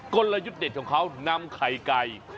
กลยุทธ์เด็ดของเขานำไข่ไก่